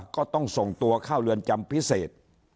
ก็ต้องส่งตัวเข้าเรือนจำพิเศษ